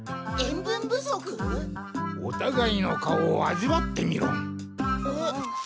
おたがいの顔を味わってみろ。